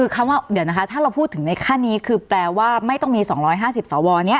ถ้าเราพูดถึงในขั้นนี้คือแปลว่าไม่ต้องมี๒๕๐สวนี้